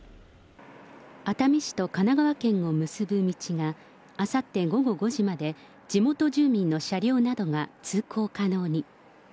熱海市と神奈川県を結ぶ道が、あさって午後５時まで、地元住民の車両などが通行可能に。